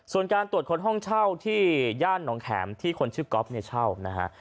ส่วนการตรวจคนห้องเช่าที่ย่านหนองแข็มที่คนชื่อก๊อฟเนี่ยเช่านะฮะ